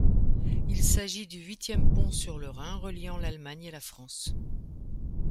Il s'agit du huitième pont sur le Rhin reliant l'Allemagne et la France.